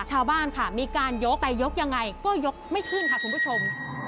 ชาวบ้านค่ะมีการยกไปยกยังไงก็ยกไม่ขึ้นค่ะคุณผู้ชม